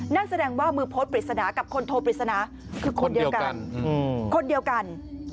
นั่นแสดงว่ามือโพสต์ปริศนากับคนโทปริศนาคือคนเดียวกันคนเดียวกัน